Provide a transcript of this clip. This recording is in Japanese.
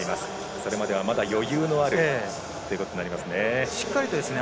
それまではまだ余裕のあるということになりますね。